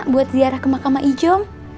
buat ziarah ke makamai jom